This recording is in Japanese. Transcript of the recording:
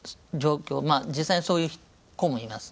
実際そういう子もいますね。